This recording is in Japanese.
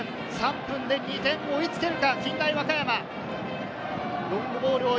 ３分で２点差を追いつけるか？